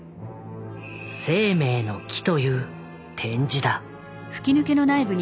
「生命の樹」という展示だ。